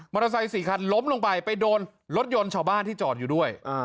มอเตอร์ไซต์สี่คันล้มลงไปไปโดนรถยนต์ชาวบ้านที่จอดอยู่ด้วยอ่า